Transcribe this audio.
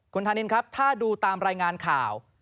คุณธานินครับถ้าดูตามรายงานข่าว